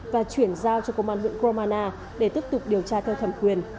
và chuyển giao cho công an huyện gromana để tiếp tục điều tra theo thẩm quyền